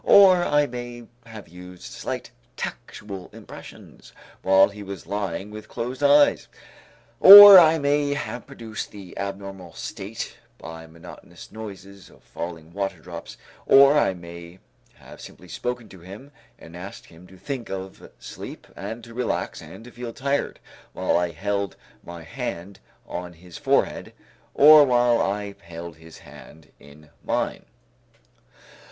Or I may have used slight tactual impressions, while he was lying with closed eyes, or I may have produced the abnormal state by monotonous noises of falling waterdrops, or I may have simply spoken to him and asked him to think of sleep and to relax and to feel tired, while I held my hand on his forehead or while I held his hand in mine.